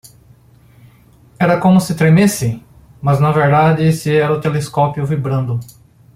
Era como se tremesse?, mas na verdade esse era o telescópio vibrando.